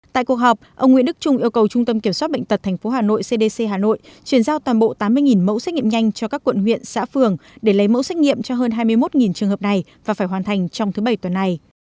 tại cuộc họp ông nguyễn đức trung yêu cầu trung tâm kiểm soát bệnh tật tp hà nội cdc hà nội chuyển giao toàn bộ tám mươi mẫu xét nghiệm nhanh cho các quận huyện xã phường để lấy mẫu xét nghiệm cho hơn hai mươi một trường hợp này và phải hoàn thành trong thứ bảy tuần này